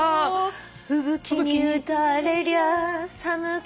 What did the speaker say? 「吹雪に打たれりゃ寒かろに」